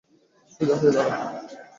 সোজা হয়ে দাঁড়া।